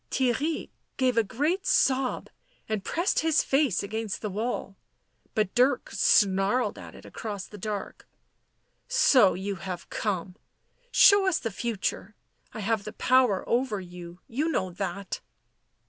Theirry gave a great sob, and pressed his face against the wall. But Dirk snarled at it across the dark. " So you have come. Show us the future. I have the power over you. You know that."